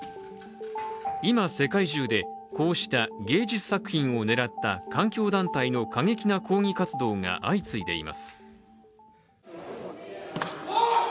今、世界中でこうした芸術作品を狙った環境団体の過激な抗議活動が相次いでいます。